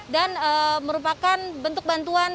dan merupakan bentuk bantuan